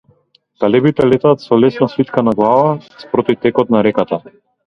Галебите летаат со лесно свиткана глава спроти текот на реката.